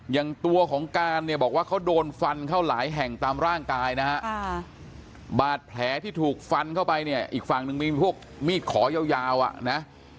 อย่างตัวของการเนี่ยบอกว่าเขาโดนฟันเข้าหลายแห่งตามร่างกายนะฮะบาดแผลที่ถูกฟันเข้าไปเนี่ยอีกฝั่งหนึ่งมีพวกมีดขอยาวอ่ะนะ